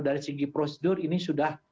dari segi prosedur ini sudah